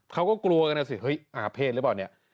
เขาก็กลัวกันนะสิเฮ้ยอาเภษหรือเปล่าเนี่ย